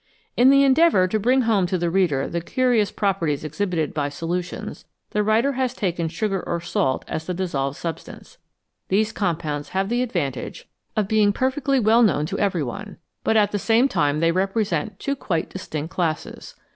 In the endeavour to bring home to the reader the curious properties exhibited by solutions, the writer has taken sugar or salt as the dissolved substance. These compounds have the advantage of being perfectly well 309 FACTS ABOUT SOLUTIONS known to every one, but at the same time they represent two quite distinct classes.